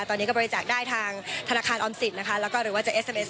ตอนนี้ก็บริจาคได้ทางธนาคารออมสินนะคะแล้วก็หรือว่าจะเอสเอส